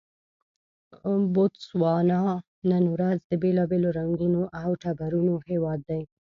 بوتسوانا نن ورځ د بېلابېلو رنګونو او ټبرونو هېواد دی.